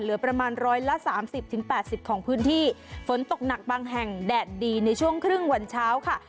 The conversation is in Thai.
เหลือประมาณร้อยละสามสิบถึงแปดสิบของพื้นที่ฝนตกหนักบางแห่งแดดดีในช่วงครึ่งวันเช้าค่ะ